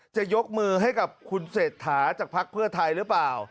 จะยกมือให้กับคุณเศรษฐาจากพักเพื่อไทยหรือเปล่า